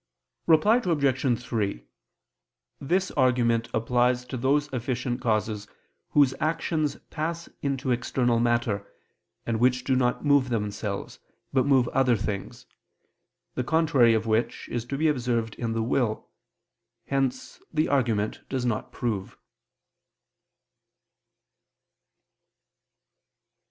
Reply Obj. 3: This argument applies to those efficient causes whose actions pass into external matter, and which do not move themselves, but move other things; the contrary of which is to be observed in the will; hence the argument does not prove.